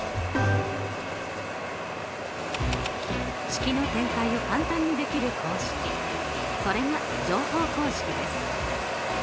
式の展開を簡単にできる公式それが乗法公式です。